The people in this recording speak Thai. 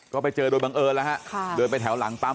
ก็ไปเจอโดยบังเอิญแล้วฮะเดินไปแถวหลังปั๊ม